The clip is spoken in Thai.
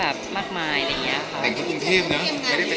แล้วก็ไม่ได้ทำอะไรที่เดือดนอนใคร